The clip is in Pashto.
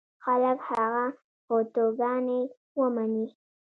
خلک هغه فتواګانې ومني.